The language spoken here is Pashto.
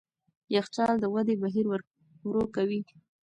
یخچال د ودې بهیر ورو کوي.